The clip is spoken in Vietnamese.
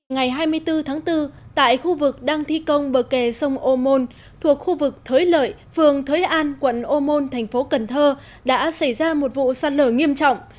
ngày hai mươi bốn tháng bốn tại khu vực đang thi công bờ kè sông ô môn thuộc khu vực thới lợi phường thới an quận ô môn thành phố cần thơ đã xảy ra một vụ sạt lở nghiêm trọng